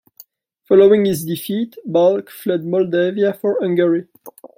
Following his defeat, Balc fled Moldavia for Hungary.